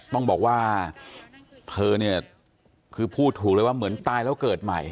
ต้องบอกว่าเธอเนี่ยคือพูดถูกเลยว่าเหมือนตายแล้วเกิดใหม่